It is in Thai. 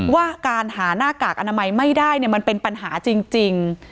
ว่าการหาหน้ากากอนามัยไม่ได้มันเป็นปัญหาจริง